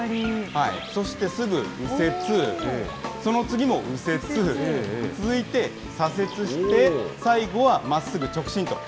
そしてすぐ右折、その次も右折、続いて左折して、最後はまっすぐ直進と。